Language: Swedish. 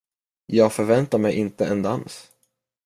Jag förväntade mig inte en dans.